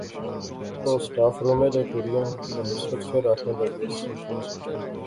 او سٹاف رومے لے ٹریاں تے نصرت فیر آخنے لاغیوس